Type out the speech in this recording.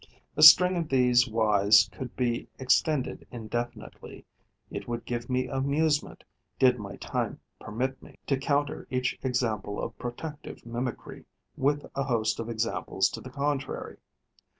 A string of these whys could be extended indefinitely. It would give me amusement, did my time permit me, to counter each example of protective mimicry with a host of examples to the contrary.